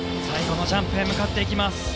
最後のジャンプへ向かっていきます。